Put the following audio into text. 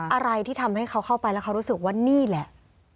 อะไรที่ทำให้เขาเข้าไปแล้วเขารู้สึกว่านี่แหละ